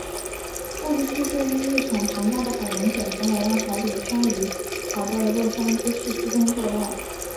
故事叙述因一场庞大的海龙卷风而让海里的鲨鱼跑到了洛杉矶市区中作乱。